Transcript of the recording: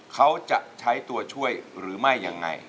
เขาจะใช้ตัวช่วยหรือไม่ยังไง